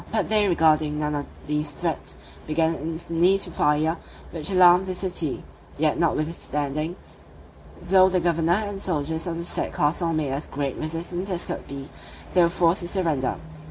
But they regarding none of these threats, began instantly to fire, which alarmed the city; yet notwithstanding, though the governor and soldiers of the said castle made as great resistance as could be, they were forced to surrender.